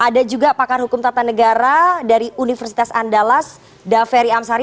dan juga pakar hukum tata negara dari universitas andalas daferi amsari